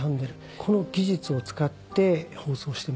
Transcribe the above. この技術を使って放送してます。